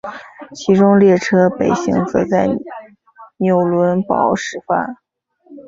其中列车北行则在纽伦堡始发。